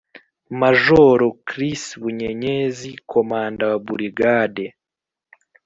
majoro chris bunyenyezi: komanda wa burigade